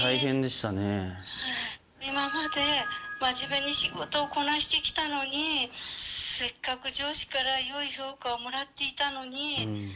今まで真面目に仕事をこなしてきたのにせっかく上司から良い評価をもらっていたのに。